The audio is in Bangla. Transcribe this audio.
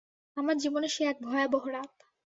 আমার জীবনে সে এক ভয়াবহ রাত।